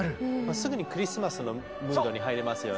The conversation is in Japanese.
すぐにクリスマスのムードに入れますよね。